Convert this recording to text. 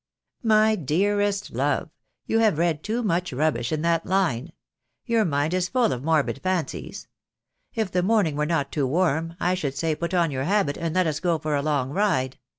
"My dearest love, you have read too much rubbish in that line. Your mind is full of morbid fancies. If the morning were not too warm, I should say put on your habit and let us go for a long ride.